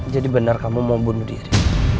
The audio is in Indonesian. jadi benar kamu mau bunuh riri